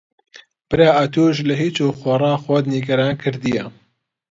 برا ئەتووش لە هیچ و خۆڕا خۆت نیگەران کردییە.